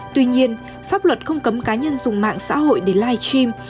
tuy nhiên pháp luật không cấm cá nhân dùng mạng xã hội để live stream